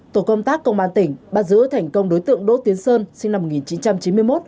tổ công tác công an tỉnh bắt giữ thành công đối tượng đỗ tiến sơn sinh năm một nghìn chín trăm chín mươi một